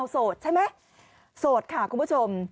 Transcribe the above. โสดใช่ไหมโสดค่ะคุณผู้ชม